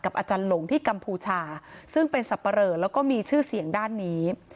อาจารย์หลงที่กัมพูชาซึ่งเป็นสับปะเหลอแล้วก็มีชื่อเสียงด้านนี้